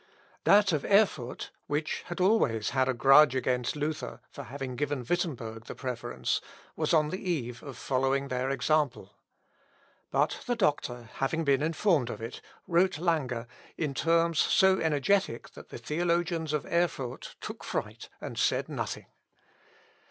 That of Erfurt, which had always had a grudge at Luther, for having given Wittemberg the preference, was on the eve of following their example. But the doctor, having been informed of it, wrote Lange, in terms so energetic that the theologians of Erfurt took fright, and said nothing.